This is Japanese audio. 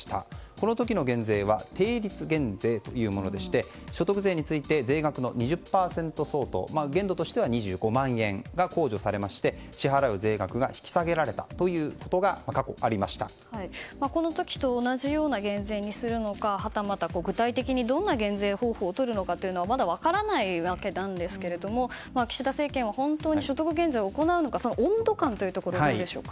この時の減税は定率減税というものでして所得税について税額の２０％相当限度としては２５万円が控除されまして、支払う税額が引き下げられたということがこの時と同じような減税にするのかはたまた具体的にどんな減税方法をとるのかというのはまだ分からないわけなんですが岸田政権は本当に所得減税を行うのかその温度感というところどうでしょうか？